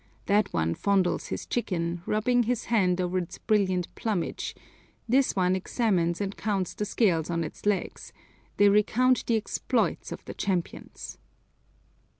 That one fondles his chicken, rubbing his hand over its brilliant plumage, this one examines and counts the scales on its legs, they recount the exploits of the champions.